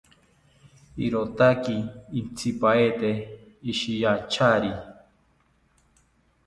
Irotaki intzipaete ishiyanchari